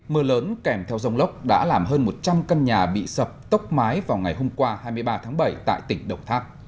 mưa lớn kèm theo dông lốc đã làm hơn một trăm linh căn nhà bị sập tốc mái vào ngày hôm qua hai mươi ba tháng bảy tại tỉnh đồng tháp